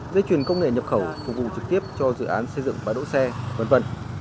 dây chuyền công nghệ nhập khẩu phục vụ trực tiếp cho dự án xây dựng bãi đỗ xe v v